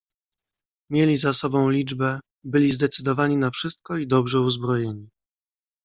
"Mieli za sobą liczbę, byli zdecydowani na wszystko i dobrze uzbrojeni."